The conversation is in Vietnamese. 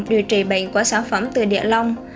điều trị bệnh của sản phẩm từ địa lông